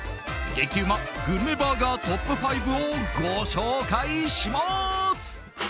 激うまグルメバーガートップ５をご紹介します。